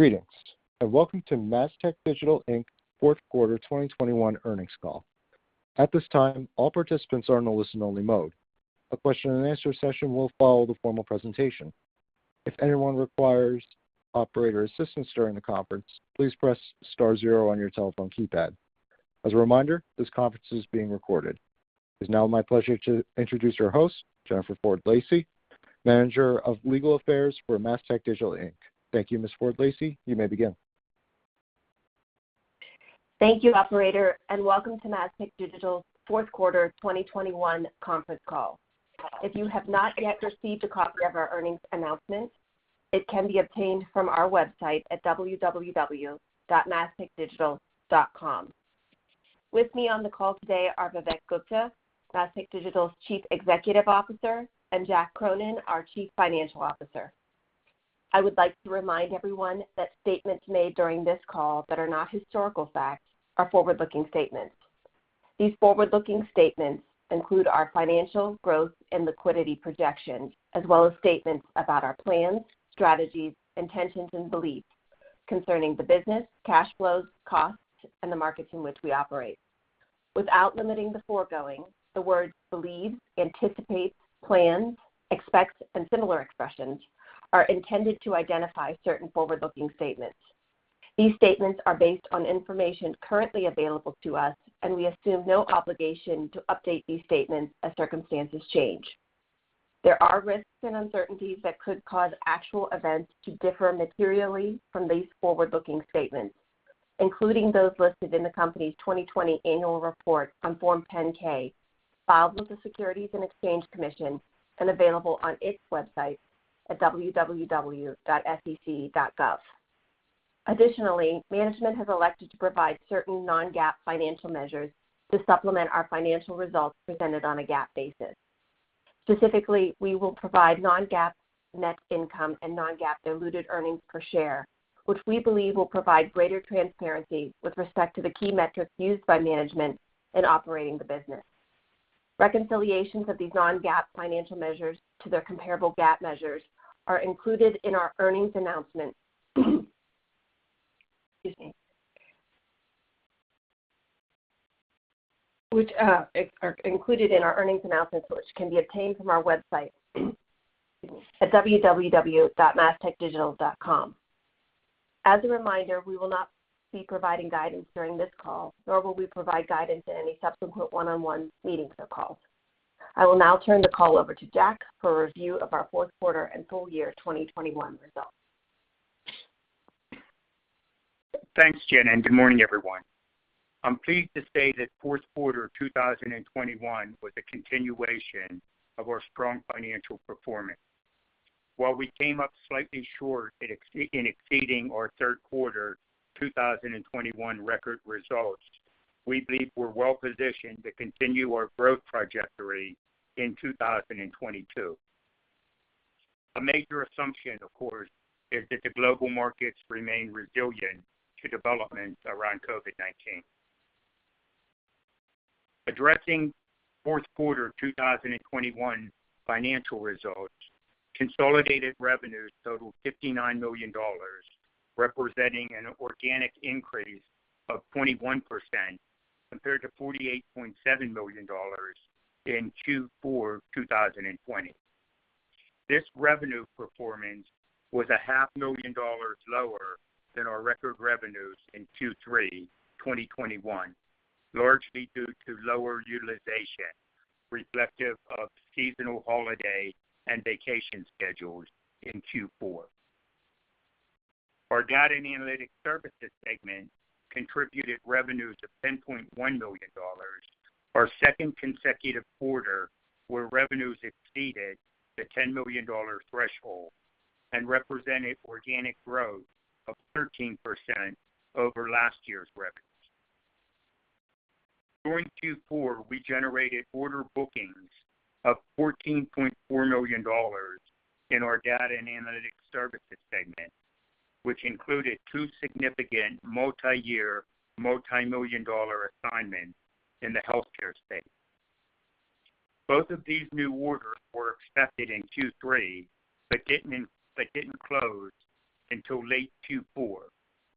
Greetings, and welcome to Mastech Digital, Inc.'s fourth quarter 2021 earnings call. At this time, all participants are in a listen-only mode. A question and answer session will follow the formal presentation. If anyone requires operator assistance during the conference, please press star zero on your telephone keypad. As a reminder, this conference is being recorded. It's now my pleasure to introduce our host, Jennifer Ford Lacey, Manager of Legal Affairs for Mastech Digital, Inc. Thank you, Ms. Ford Lacey. You may begin. Thank you, operator, and welcome to Mastech Digital's fourth quarter 2021 conference call. If you have not yet received a copy of our earnings announcement, it can be obtained from our website at www.mastechdigital.com. With me on the call today are Vivek Gupta, Mastech Digital's Chief Executive Officer, and Jack Cronin, our Chief Financial Officer. I would like to remind everyone that statements made during this call that are not historical facts are forward-looking statements. These forward-looking statements include our financial growth and liquidity projections, as well as statements about our plans, strategies, intentions, and beliefs concerning the business, cash flows, costs, and the markets in which we operate. Without limiting the foregoing, the words believe, anticipate, plan, expect, and similar expressions are intended to identify certain forward-looking statements. These statements are based on information currently available to us, and we assume no obligation to update these statements as circumstances change. There are risks and uncertainties that could cause actual events to differ materially from these forward-looking statements, including those listed in the company's 2020 annual report on Form 10-K, filed with the Securities and Exchange Commission and available on its website at www.sec.gov. Additionally, management has elected to provide certain non-GAAP financial measures to supplement our financial results presented on a GAAP basis. Specifically, we will provide non-GAAP net income and non-GAAP diluted earnings per share, which we believe will provide greater transparency with respect to the key metrics used by management in operating the business. Reconciliations of these non-GAAP financial measures to their comparable GAAP measures are included in our earnings announcement, which can be obtained from our website at www.mastechdigital.com. As a reminder, we will not be providing guidance during this call, nor will we provide guidance in any subsequent one-on-one meetings or calls. I will now turn the call over to Jack for a review of our fourth quarter and full year 2021 results. Thanks, Jen, and good morning, everyone. I'm pleased to say that fourth quarter 2021 was a continuation of our strong financial performance. While we came up slightly short of exceeding our third quarter 2021 record results, we believe we're well positioned to continue our growth trajectory in 2022. A major assumption, of course, is that the global markets remain resilient to developments around COVID-19. Addressing fourth quarter 2021 financial results, consolidated revenues totaled $59 million, representing an organic increase of 21% compared to $48.7 million in Q4 2020. This revenue performance was $500,000 lower than our record revenues in Q3 2021, largely due to lower utilization reflective of seasonal holiday and vacation schedules in Q4. Our data and analytics services segment contributed revenues of $10.1 million, our second consecutive quarter where revenues exceeded the $10 million threshold and represented organic growth of 13% over last year's records. During Q4, we generated order bookings of $14.4 million in our data and analytics services segment, which included two significant multi-year, multi-million dollar assignments in the healthcare space. Both of these new orders were accepted in Q3 but didn't close until late Q4,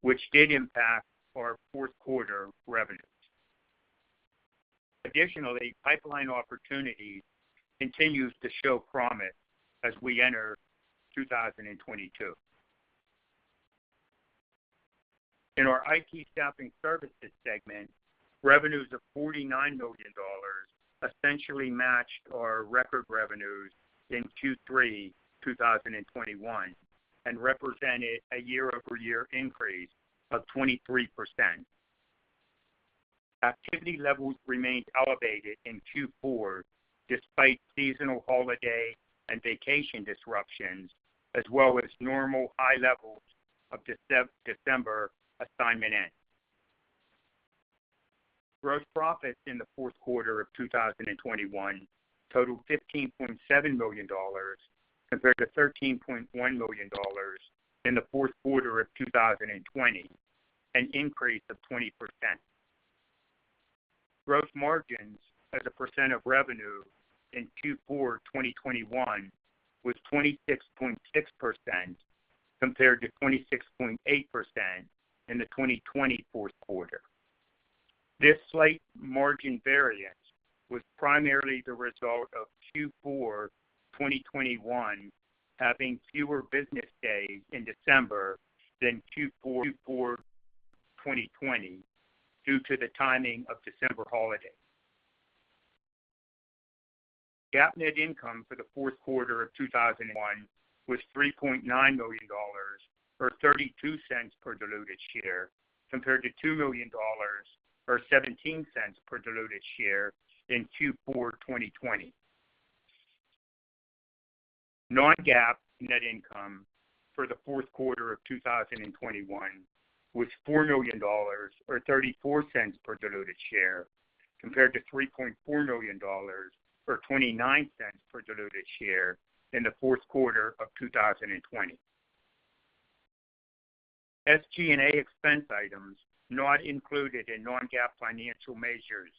which did impact our fourth quarter revenues. Additionally, pipeline opportunities continues to show promise as we enter 2022. In our IT staffing services segment, revenues of $49 million essentially matched our record revenues in Q3 2021 and represented a year-over-year increase of 23%. Activity levels remained elevated in Q4 despite seasonal holiday and vacation disruptions as well as normal high levels of December assignment ends. Gross profits in the fourth quarter of 2021 totaled $15.7 million compared to $13.1 million in the fourth quarter of 2020, an increase of 20%. Gross margins as a percent of revenue in Q4 2021 was 26.6% compared to 26.8% in the 2020 fourth quarter. This slight margin variance was primarily the result of Q4 2021 having fewer business days in December than Q4 2020 due to the timing of December holidays. GAAP net income for the fourth quarter of 2021 was $3.9 million, or $0.32 per diluted share, compared to $2 million or $0.17 per diluted share in Q4 2020. Non-GAAP net income for the fourth quarter of 2021 was $4 million or $0.34 per diluted share, compared to $3.4 million or $0.29 per diluted share in the fourth quarter of 2020. SG&A expense items not included in non-GAAP financial measures,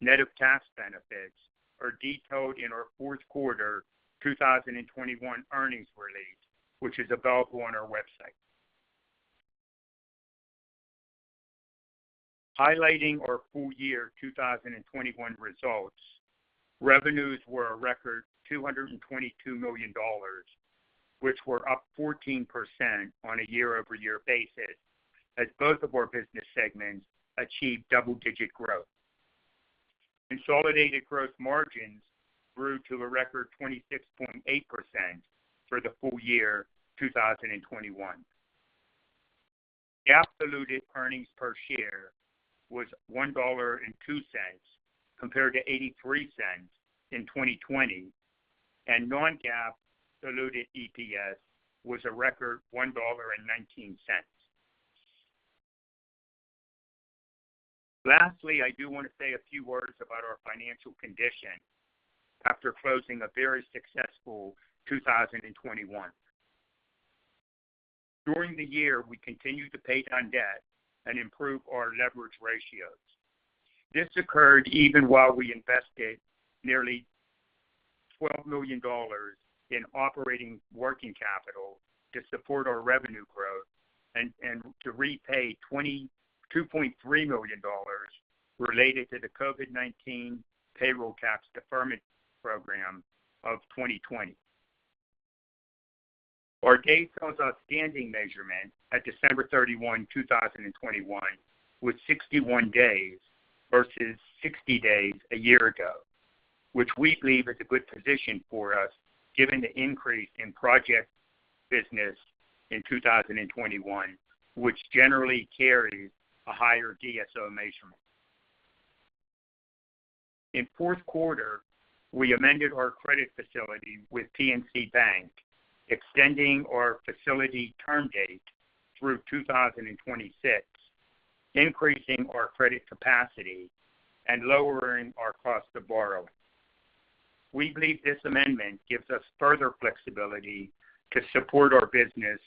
net of tax benefits, are detailed in our fourth quarter 2021 earnings release, which is available on our website. Highlighting our full year 2021 results, revenues were a record $222 million, which were up 14% on a year-over-year basis as both of our business segments achieved double-digit growth. Consolidated gross margins grew to a record 26.8% for the full year 2021. GAAP diluted earnings per share was $1.02, compared to $0.83 in 2020, and non-GAAP diluted EPS was a record $1.19. Lastly, I do want to say a few words about our financial condition after closing a very successful 2021. During the year, we continued to pay down debt and improve our leverage ratios. This occurred even while we invested nearly $12 million in operating working capital to support our revenue growth and to repay $22.3 million related to the COVID-19 payroll tax deferral program of 2020. Our days sales outstanding measurement at December 31, 2021 was 61 days versus 60 days a year ago, which we believe is a good position for us given the increase in project business in 2021, which generally carried a higher DSO measurement. In fourth quarter, we amended our credit facility with PNC Bank, extending our facility term date through 2026, increasing our credit capacity and lowering our cost of borrowing. We believe this amendment gives us further flexibility to support our business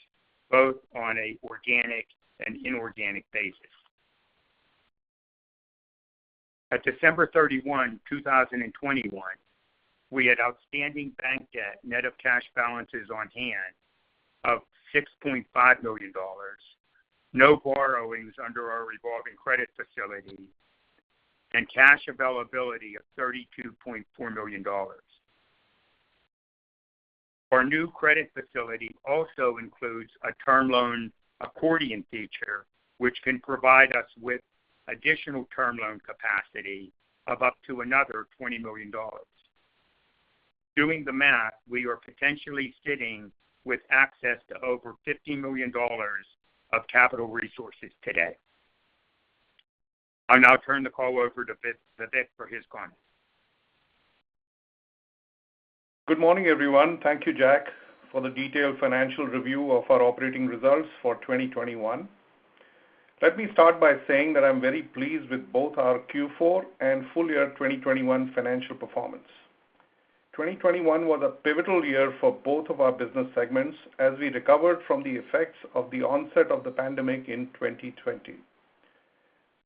both on a organic and inorganic basis. At December 31, 2021, we had outstanding bank debt net of cash balances on hand of $6.5 million, no borrowings under our revolving credit facility, and cash availability of $32.4 million. Our new credit facility also includes a term loan accordion feature, which can provide us with additional term loan capacity of up to another $20 million. Doing the math, we are potentially sitting with access to over $50 million of capital resources today. I'll now turn the call over to Vivek for his comments. Good morning, everyone. Thank you, Jack, for the detailed financial review of our operating results for 2021. Let me start by saying that I'm very pleased with both our Q4 and full year 2021 financial performance. 2021 was a pivotal year for both of our business segments as we recovered from the effects of the onset of the pandemic in 2020.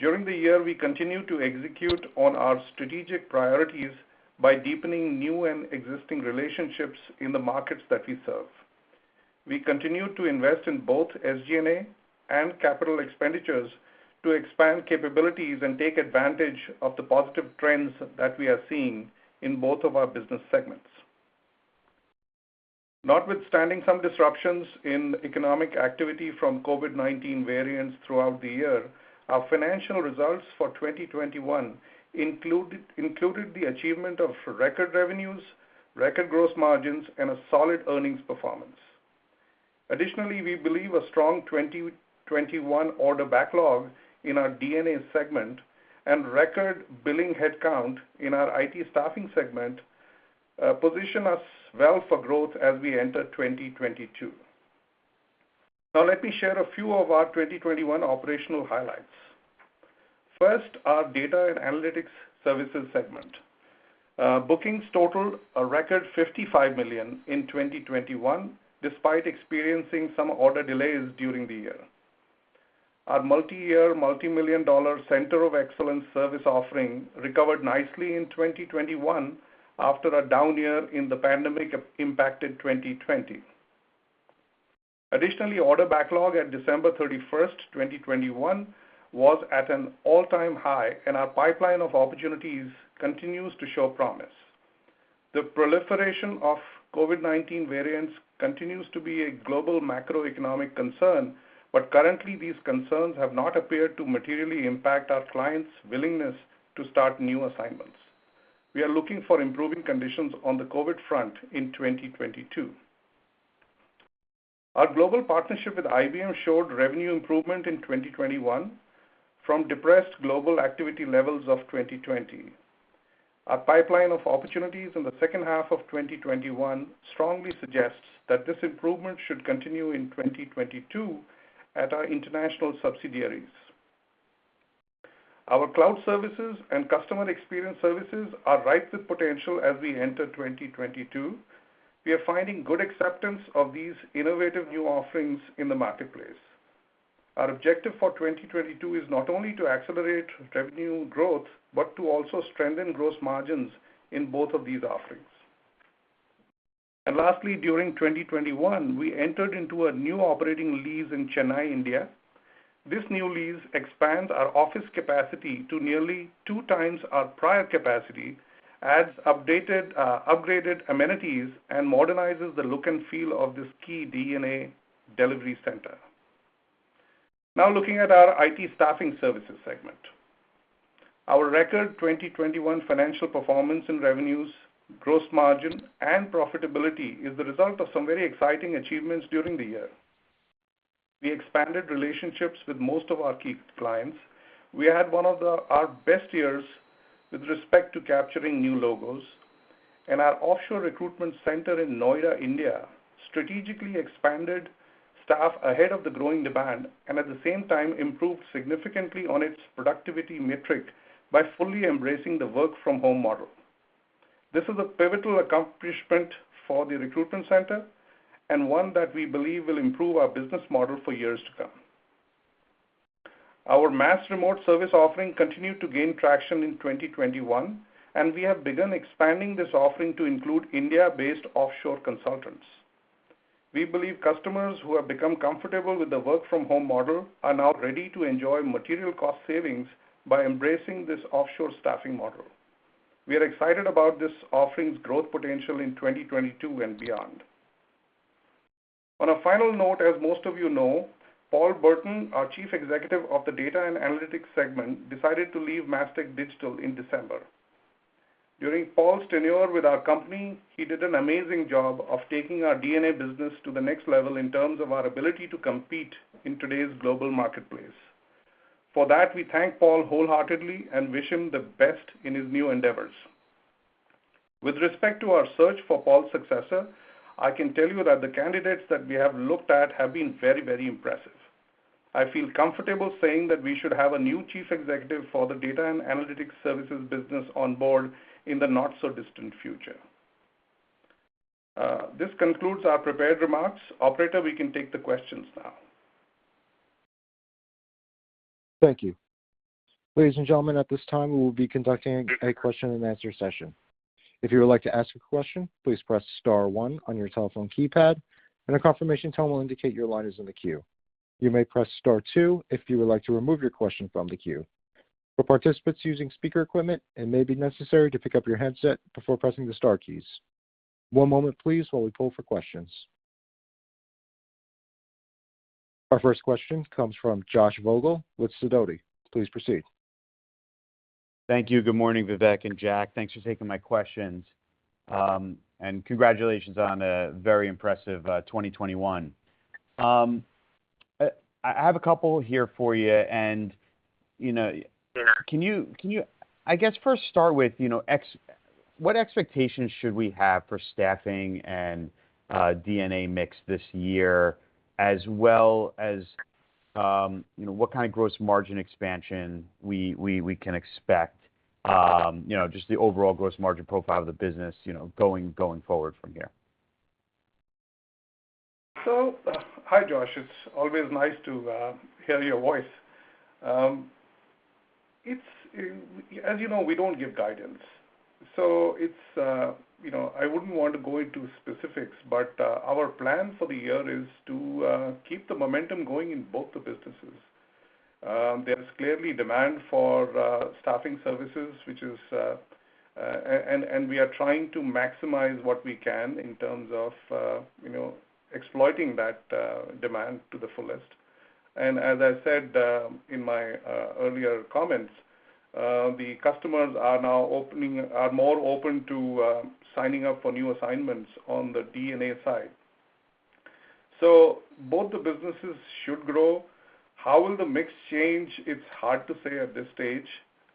During the year, we continued to execute on our strategic priorities by deepening new and existing relationships in the markets that we serve. We continued to invest in both SG&A and capital expenditures to expand capabilities and take advantage of the positive trends that we are seeing in both of our business segments. Notwithstanding some disruptions in economic activity from COVID-19 variants throughout the year, our financial results for 2021 included the achievement of record revenues, record gross margins, and a solid earnings performance. Additionally, we believe a strong 2021 order backlog in our DNA segment and record billing headcount in our IT staffing segment position us well for growth as we enter 2022. Now let me share a few of our 2021 operational highlights. First, our data and analytics services segment. Bookings totaled a record $55 million in 2021, despite experiencing some order delays during the year. Our multi-year, multi-million dollar center of excellence service offering recovered nicely in 2021 after a down year in the pandemic-impacted 2020. Additionally, order backlog at December 31st, 2021 was at an all-time high, and our pipeline of opportunities continues to show promise. The proliferation of COVID-19 variants continues to be a global macroeconomic concern, but currently these concerns have not appeared to materially impact our clients' willingness to start new assignments. We are looking for improving conditions on the COVID front in 2022. Our global partnership with IBM showed revenue improvement in 2021 from depressed global activity levels of 2020. Our pipeline of opportunities in the second half of 2021 strongly suggests that this improvement should continue in 2022 at our international subsidiaries. Our cloud services and customer experience services are ripe with potential as we enter 2022. We are finding good acceptance of these innovative new offerings in the marketplace. Our objective for 2022 is not only to accelerate revenue growth, but to also strengthen gross margins in both of these offerings. Last, during 2021, we entered into a new operating lease in Chennai, India. This new lease expands our office capacity to nearly two times our prior capacity, adds updated, upgraded amenities, and modernizes the look and feel of this key DNA delivery center. Now looking at our IT staffing services segment. Our record 2021 financial performance and revenues, gross margin, and profitability is the result of some very exciting achievements during the year. We expanded relationships with most of our key clients. We had one of our best years with respect to capturing new logos, and our offshore recruitment center in Noida, India, strategically expanded staff ahead of the growing demand, and at the same time improved significantly on its productivity metric by fully embracing the work from home model. This is a pivotal accomplishment for the recruitment center and one that we believe will improve our business model for years to come. Our MAS-REMOTE service offering continued to gain traction in 2021, and we have begun expanding this offering to include India-based offshore consultants. We believe customers who have become comfortable with the work from home model are now ready to enjoy material cost savings by embracing this offshore staffing model. We are excited about this offering's growth potential in 2022 and beyond. On a final note, as most of you know, Paul Burton, our Chief Executive of the Data and Analytics segment, decided to leave Mastech Digital in December. During Paul's tenure with our company, he did an amazing job of taking our DNA business to the next level in terms of our ability to compete in today's global marketplace. For that, we thank Paul wholeheartedly and wish him the best in his new endeavors. With respect to our search for Paul's successor, I can tell you that the candidates that we have looked at have been very, very impressive. I feel comfortable saying that we should have a new Chief Executive for the Data and Analytics Services business on board in the not so distant future. This concludes our prepared remarks. Operator, we can take the questions now. Thank you. Ladies and gentlemen, at this time, we will be conducting a question-and-answer session. If you would like to ask a question, please press star one on your telephone keypad and a confirmation tone will indicate your line is in the queue. You may press star two if you would like to remove your question from the queue. For participants using speaker equipment, it may be necessary to pick up your headset before pressing the star keys. One moment please while we poll for questions. Our first question comes from Josh Vogel with Sidoti. Please proceed. Thank you. Good morning, Vivek and Jack. Thanks for taking my questions. Congratulations on a very impressive 2021. I have a couple here for you. You know, can you I guess first start with, you know, what expectations should we have for staffing and DNA mix this year, as well as, you know, what kind of gross margin expansion we can expect? You know, just the overall gross margin profile of the business, you know, going forward from here. Hi, Josh. It's always nice to hear your voice. As you know, we don't give guidance, so it's you know, I wouldn't want to go into specifics, but our plan for the year is to keep the momentum going in both the businesses. There's clearly demand for staffing services, and we are trying to maximize what we can in terms of you know, exploiting that demand to the fullest. As I said in my earlier comments, the customers are now more open to signing up for new assignments on the DNA side. Both the businesses should grow. How will the mix change? It's hard to say at this stage.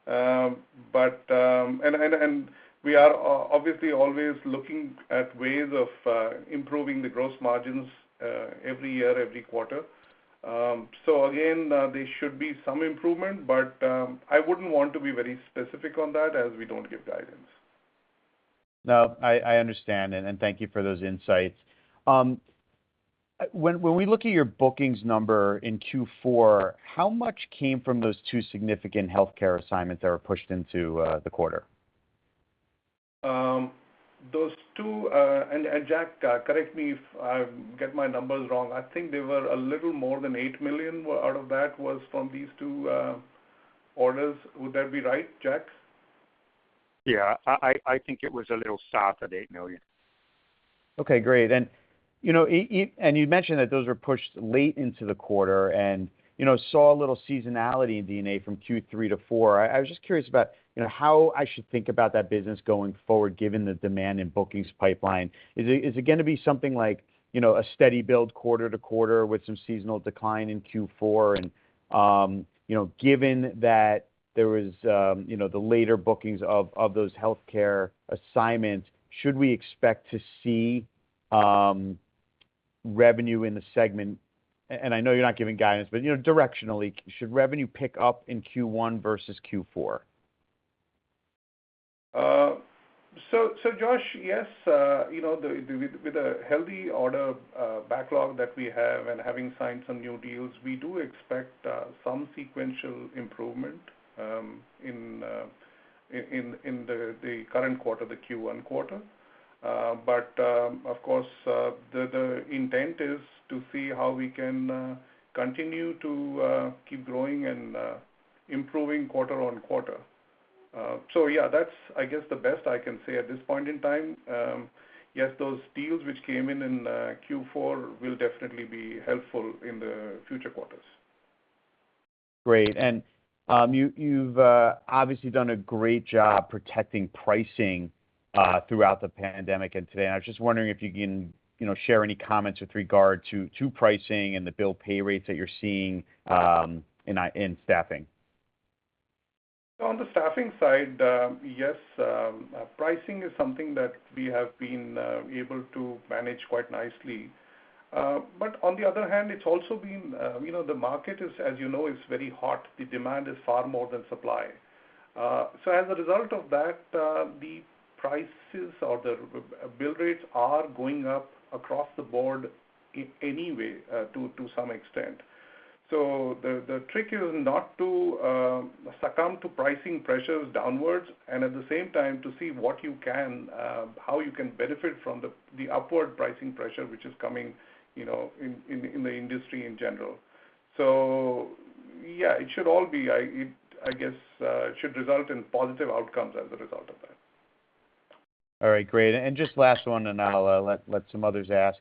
But We are obviously always looking at ways of improving the gross margins every year, every quarter. There should be some improvement, but I wouldn't want to be very specific on that as we don't give guidance. No, I understand, and thank you for those insights. When we look at your bookings number in Q4, how much came from those two significant healthcare assignments that were pushed into the quarter? Those two, and Jack, correct me if I get my numbers wrong. I think they were a little more than $8 million out of that was from these two orders. Would that be right, Jack? Yeah. I think it was a little south of $8 million. Okay, great. You know, you mentioned that those were pushed late into the quarter and, you know, saw a little seasonality in D&A from Q3 to Q4. I was just curious about, you know, how I should think about that business going forward given the demand in bookings pipeline. Is it gonna be something like, you know, a steady build quarter-to-quarter with some seasonal decline in Q4? You know, given that there was the later bookings of those healthcare assignments, should we expect to see revenue in the segment? I know you're not giving guidance, but, you know, directionally, should revenue pick up in Q1 versus Q4? Josh, yes, you know, the with the healthy order backlog that we have and having signed some new deals, we do expect some sequential improvement in the current quarter, the Q1 quarter. Of course, the intent is to see how we can continue to keep growing and improving quarter-on-quarter. Yeah, that's, I guess, the best I can say at this point in time. Yes, those deals which came in in Q4 will definitely be helpful in the future quarters. Great. You've obviously done a great job protecting pricing throughout the pandemic and today. I was just wondering if you can, you know, share any comments with regard to pricing and the bill pay rates that you're seeing in staffing. On the staffing side, yes, pricing is something that we have been able to manage quite nicely. On the other hand, it's also been, you know, the market is, as you know, very hot. The demand is far more than supply. As a result of that, the prices or the bill rates are going up across the board anyway, to some extent. The trick is not to succumb to pricing pressures downwards, and at the same time to see how you can benefit from the upward pricing pressure, which is coming, you know, in the industry in general. Yeah, it should all be. I guess it should result in positive outcomes as a result of that. All right, great. Just last one, and I'll let some others ask.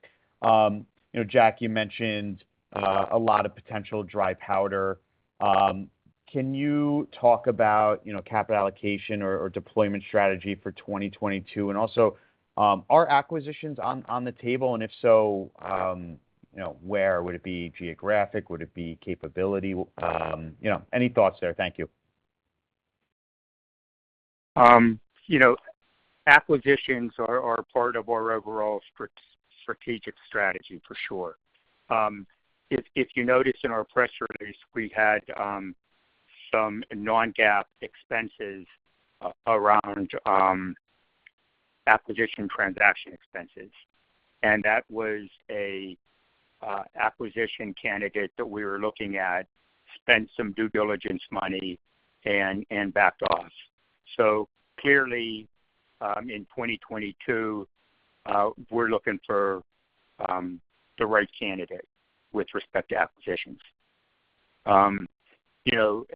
You know, Jack, you mentioned a lot of potential dry powder. Can you talk about, you know, capital allocation or deployment strategy for 2022? And also, are acquisitions on the table? And if so, you know, where? Would it be geographic? Would it be capability? You know, any thoughts there. Thank you. You know, acquisitions are part of our overall strategic strategy, for sure. If you notice in our press release, we had some non-GAAP expenses around acquisition transaction expenses, and that was a acquisition candidate that we were looking at, spent some due diligence money and backed off. Clearly, in 2022, we're looking for the right candidate with respect to acquisitions. You know,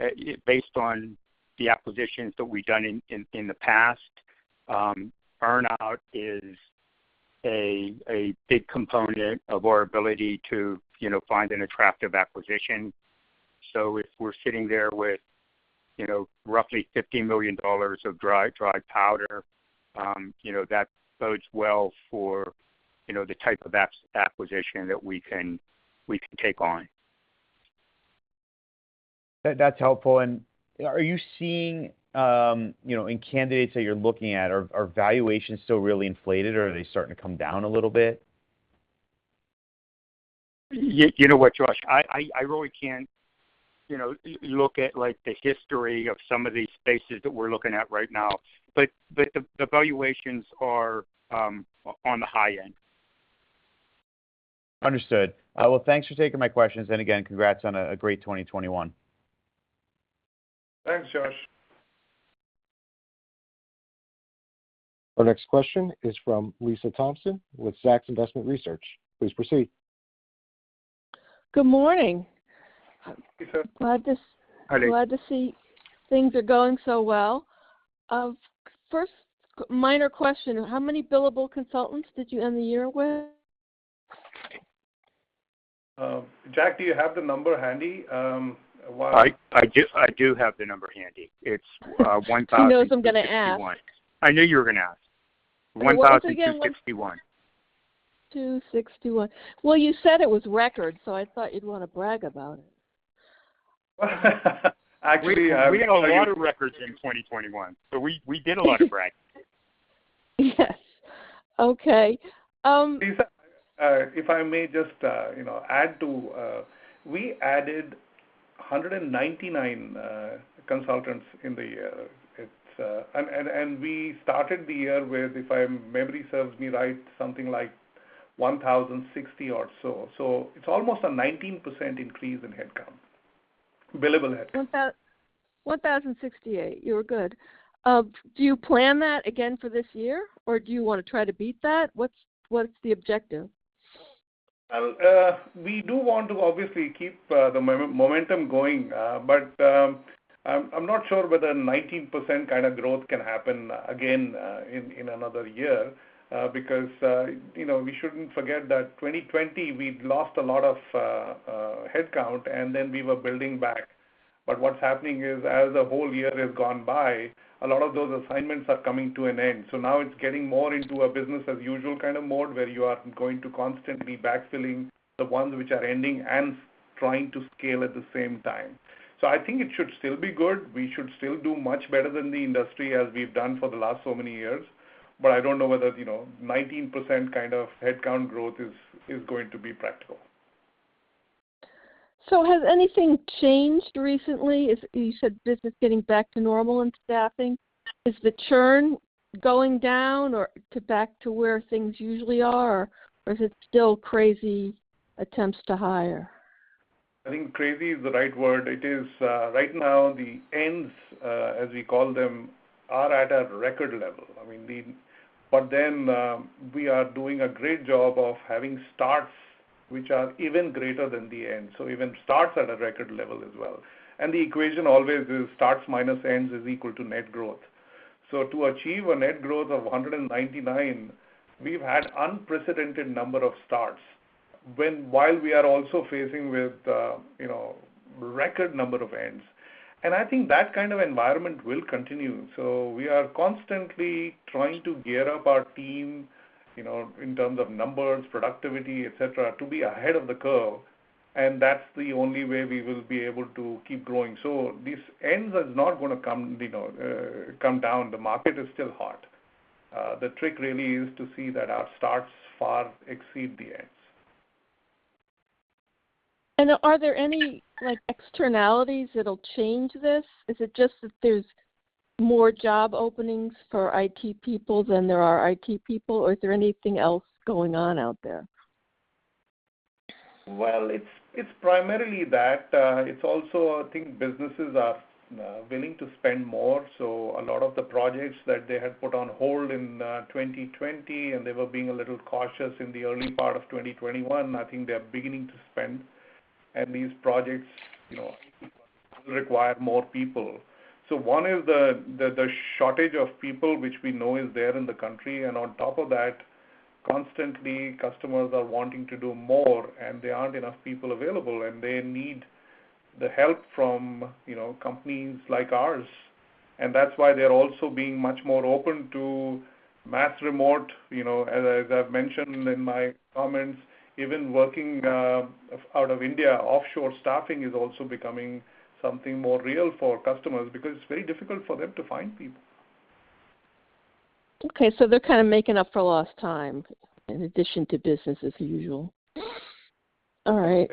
based on the acquisitions that we've done in the past, earn-out is a big component of our ability to, you know, find an attractive acquisition. If we're sitting there with, you know, roughly $50 million of dry powder, you know, that bodes well for, you know, the type of acquisition that we can take on. That, that's helpful. Are you seeing, you know, in candidates that you're looking at, are valuations still really inflated, or are they starting to come down a little bit? You know what, Josh, I really can't, you know, look at, like, the history of some of these spaces that we're looking at right now, but the valuations are on the high end. Understood. Well, thanks for taking my questions. Again, congrats on a great 2021. Thanks, Josh. Our next question is from Lisa Thompson with Zacks Investment Research. Please proceed. Good morning. Lisa. Glad to s- Hi, Lisa. Glad to see things are going so well. First minor question, how many billable consultants did you end the year with? Jack, do you have the number handy? I do have the number handy. It's 1,261. He knows I'm gonna ask. I knew you were gonna ask. 1,261. What was it again? 261. Well, you said it was record, so I thought you'd wanna brag about it. Actually, We hit a lot of records in 2021. We did a lot of bragging. Yeah, okay. Lisa, if I may just, you know, add to. We added 199 consultants in the year. We started the year with, if my memory serves me right, something like 1,060 or so. It's almost a 19% increase in headcount, billable headcount. 1,068. You were good. Do you plan that again for this year, or do you wanna try to beat that? What's the objective? Well, we do want to obviously keep the momentum going. I'm not sure whether 19% kind of growth can happen again in another year, because you know, we shouldn't forget that 2020 we'd lost a lot of headcount and then we were building back. What's happening is as a whole year has gone by, a lot of those assignments are coming to an end. Now it's getting more into a business as usual kind of mode where you are going to constantly be backfilling the ones which are ending and trying to scale at the same time. I think it should still be good. We should still do much better than the industry as we've done for the last so many years. I don't know whether, you know, 19% kind of headcount growth is going to be practical. Has anything changed recently? You said business getting back to normal in staffing. Is the churn going down or to back to where things usually are, or is it still crazy attempts to hire? I think crazy is the right word. It is right now the ends, as we call them, are at a record level. I mean, we are doing a great job of having starts which are even greater than the ends, so even starts at a record level as well. The equation always is starts minus ends is equal to net growth. To achieve a net growth of 199, we've had unprecedented number of starts while we are also facing with, you know, record number of ends. I think that kind of environment will continue. We are constantly trying to gear up our team, you know, in terms of numbers, productivity, et cetera, to be ahead of the curve, and that's the only way we will be able to keep growing. These ends is not gonna come, you know, come down. The market is still hot. The trick really is to see that our starts far exceed the ends. Are there any, like, externalities that'll change this? Is it just that there's more job openings for IT people than there are IT people, or is there anything else going on out there? Well, it's primarily that. It's also, I think, businesses are willing to spend more, so a lot of the projects that they had put on hold in 2020 and they were being a little cautious in the early part of 2021, I think they're beginning to spend. These projects, you know, require more people. One is the shortage of people which we know is there in the country, and on top of that, constantly customers are wanting to do more, and there aren't enough people available, and they need the help from, you know, companies like ours. That's why they're also being much more open to MAS-REMOTE. You know, as I've mentioned in my comments, even working out of India, offshore staffing is also becoming something more real for customers because it's very difficult for them to find people. Okay, they're kind of making up for lost time in addition to business as usual. All right.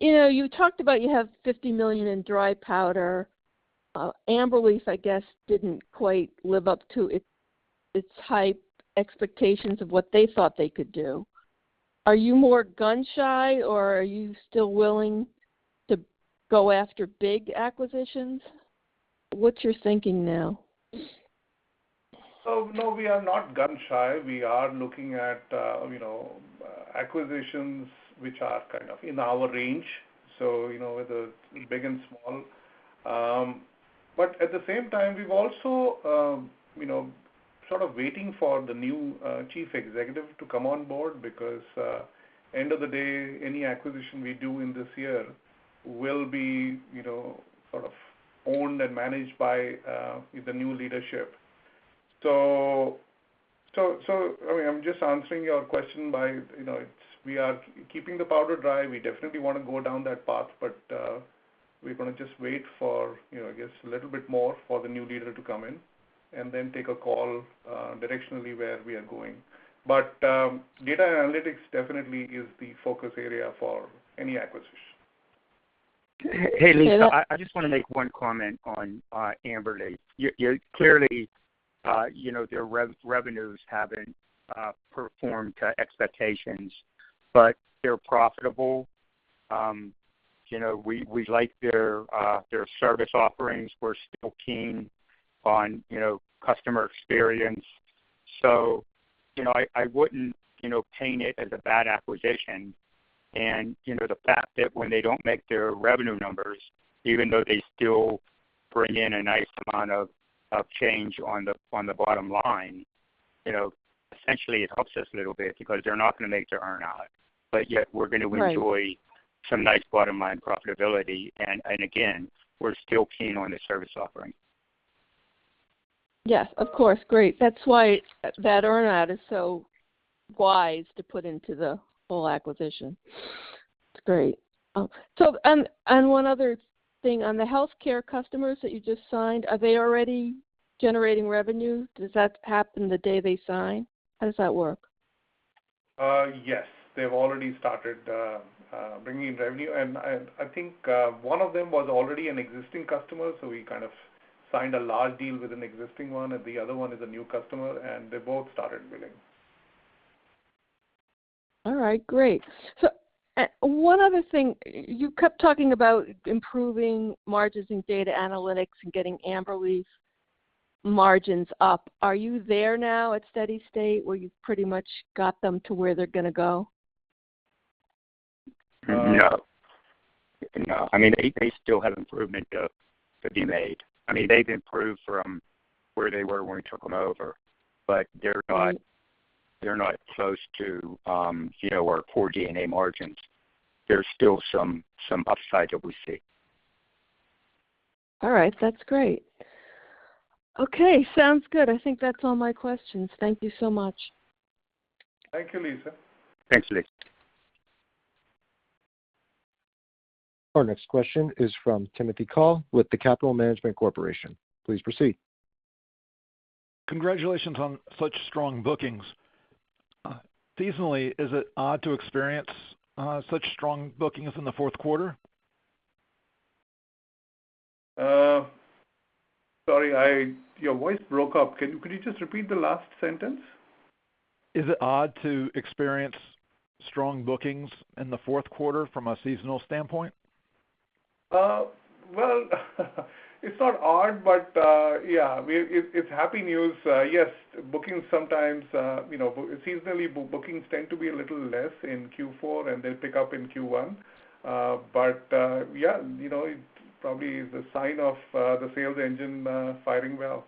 You know, you talked about you have $50 million in dry powder. AmberLeaf, I guess, didn't quite live up to its hyped expectations of what they thought they could do. Are you more gun-shy, or are you still willing to go after big acquisitions? What's your thinking now? No, we are not gun-shy. We are looking at, you know, acquisitions which are kind of in our range, so, you know, whether it's big and small. But at the same time, we've also, you know, sort of waiting for the new Chief Executive to come on board because, end of the day, any acquisition we do in this year will be, you know, sort of owned and managed by, the new leadership. I mean, I'm just answering your question by, you know, it's we are keeping the powder dry. We definitely wanna go down that path, but, we're gonna just wait for, you know, I guess, a little bit more for the new leader to come in and then take a call, directionally where we are going. Data analytics definitely is the focus area for any acquisition. Hey, Lisa. Hello. I just wanna make one comment on AmberLeaf. Yeah. Clearly, you know, their revenues haven't performed to expectations, but they're profitable. You know, we like their service offerings. We're still keen on, you know, customer experience. You know, I wouldn't paint it as a bad acquisition. You know, the fact that when they don't make their revenue numbers, even though they still bring in a nice amount of change on the bottom line, you know, essentially it helps us a little bit because they're not gonna make their earn-out, but yet we're gonna enjoy- Right some nice bottom-line profitability. Again, we're still keen on the service offering. Yes, of course. Great. That's why that earn-out is so wise to put into the full acquisition. That's great. One other thing. On the healthcare customers that you just signed, are they already generating revenue? Does that happen the day they sign? How does that work? Yes. They've already started bringing in revenue. I think one of them was already an existing customer, so we kind of signed a large deal with an existing one, and the other one is a new customer, and they both started winning. All right, great. One other thing. You kept talking about improving margins in data analytics and getting AmberLeaf's margins up. Are you there now at steady state where you've pretty much got them to where they're gonna go? No. I mean, they still have improvement to be made. I mean, they've improved from where they were when we took them over, but they're not close to, you know, our core D&A margins. There's still some upside that we see. All right. That's great. Okay, sounds good. I think that's all my questions. Thank you so much. Thank you, Lisa. Thanks, Lisa. Our next question is from Timothy Call with The Capital Management Corporation. Please proceed. Congratulations on such strong bookings. Seasonally, is it odd to experience such strong bookings in the fourth quarter? Sorry, your voice broke up. Could you just repeat the last sentence? Is it odd to experience strong bookings in the fourth quarter from a seasonal standpoint? Well, it's not odd, but yeah, it's happy news. Yes, bookings sometimes, you know, seasonally, bookings tend to be a little less in Q4, and they'll pick up in Q1. Yeah, you know, it probably is a sign of the sales engine firing well.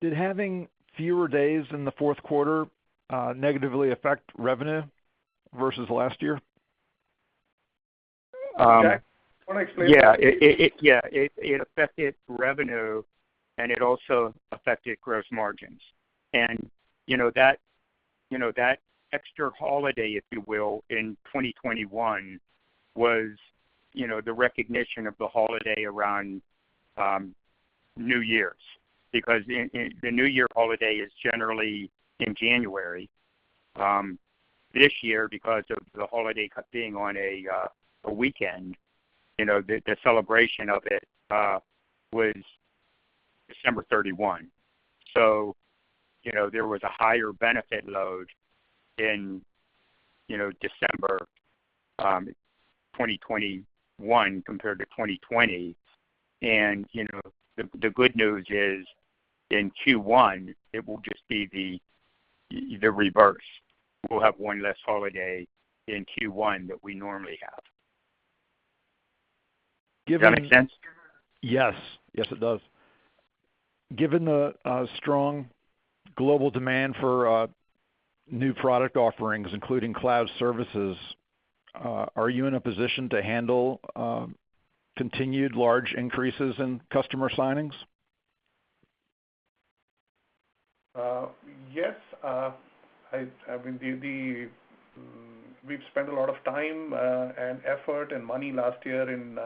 Did having fewer days in the fourth quarter negatively affect revenue versus last year? Jack, wanna explain that? Yeah, it affected revenue, and it also affected gross margins. You know, that extra holiday, if you will, in 2021 was you know, the recognition of the holiday around New Year's. Because the New Year holiday is generally in January. This year, because of the holiday being on a weekend, you know, the celebration of it was December 31. You know, there was a higher benefit load in, you know, December 2021 compared to 2020. You know, the good news is, in Q1, it will just be the reverse. We'll have one less holiday in Q1 than we normally have. Given the Does that make sense? Yes. Yes, it does. Given the strong global demand for new product offerings, including cloud services, are you in a position to handle continued large increases in customer signings? Yes. I mean, we've spent a lot of time and effort and money last year in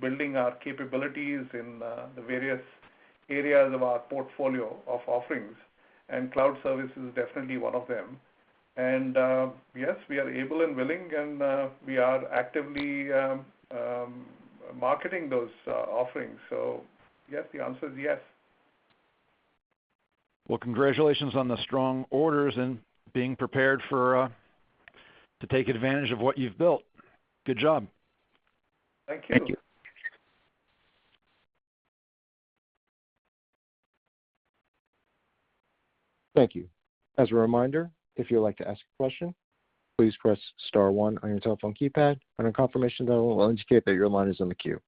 building our capabilities in the various areas of our portfolio of offerings, and cloud service is definitely one of them. Yes, we are able and willing, and we are actively marketing those offerings. Yes, the answer is yes. Well, congratulations on the strong orders and being prepared for to take advantage of what you've built. Good job. Thank you. Thank you. Thank you. As a reminder, if you'd like to ask a question, please press star one on your telephone keypad, and a confirmation tone will indicate that your line is in the queue.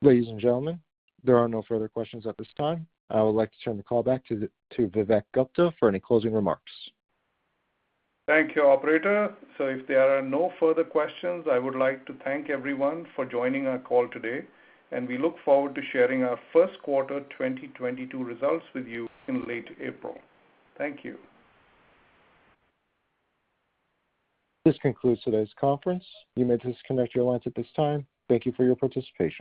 Ladies and gentlemen, there are no further questions at this time. I would like to turn the call back to Vivek Gupta for any closing remarks. Thank you, operator. If there are no further questions, I would like to thank everyone for joining our call today, and we look forward to sharing our first quarter 2022 results with you in late April. Thank you. This concludes today's conference. You may disconnect your lines at this time. Thank you for your participation.